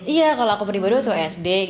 iya kalau aku beribaduh waktu sd